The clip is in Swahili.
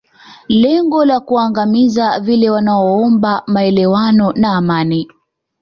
lengo la kuwaangamiza vile wanaomba maelewano na amani